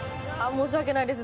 申し訳ないです。